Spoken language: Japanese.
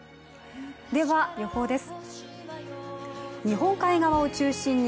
では予報です。